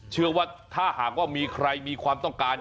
เชื่อว่าถ้าหากว่ามีใครมีความต้องการ